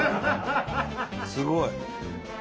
すごい。